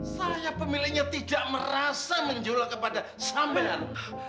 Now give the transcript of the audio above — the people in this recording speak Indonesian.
saya pemiliknya tidak merasa menjulak kepada sampian